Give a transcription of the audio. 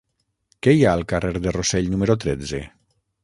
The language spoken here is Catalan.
Què hi ha al carrer de Rossell número tretze?